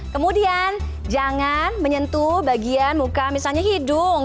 kemudian jangan menyentuh bagian muka misalnya hidung